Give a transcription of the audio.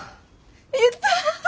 やった。